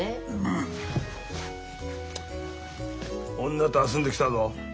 女と遊んできたぞ。